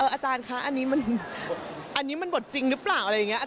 อาจารย์คะอันนี้มันบทจริงหรือเปล่าอะไรอย่างนี้